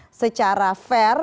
kontestasi secara fair